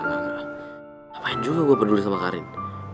ngapain juga gue peduli sama karin